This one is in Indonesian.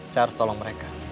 saya harus tolong mereka